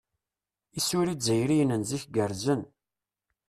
Isura izzayriyen n zik gerrzen.